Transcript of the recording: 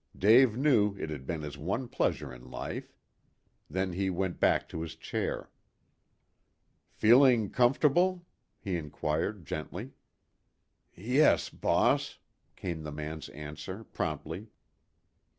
Dave knew it had been his one pleasure in life. Then he went back to his chair. "Feeling comfortable?" he inquired gently. "Yes, boss," came the man's answer promptly.